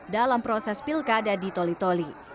dalam proses pilkada di toli toli